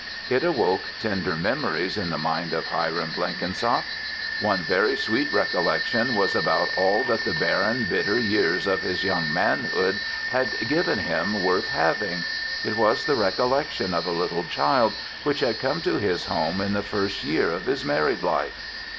It awoke tender memories in the mind of Hiram Blenkinsop. One very sweet recollection was about all that the barren, bitter years of his young manhood had given him worth having. It was the recollection of a little child which had come to his home in the first year of his married life.